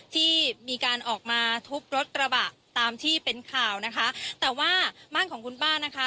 ที่มีการออกมาทุบรถกระบะตามที่เป็นข่าวนะคะแต่ว่าบ้านของคุณป้านะคะ